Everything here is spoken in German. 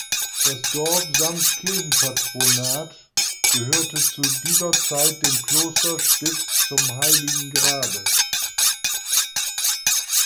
Das Dorf samt Kirchenpatronat gehörte zu dieser Zeit dem Kloster Stift zum Heiligengrabe.